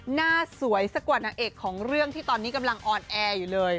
หน้าสวยสักกว่านางเอกของเรื่องที่ตอนนี้กำลังออนแอร์อยู่เลย